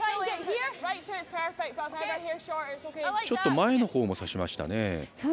ちょっと前のほうも指しましたね。